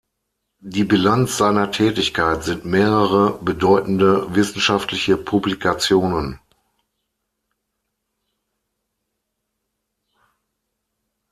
Die Bilanz seiner Tätigkeit sind mehrere bedeutende wissenschaftliche Publikationen.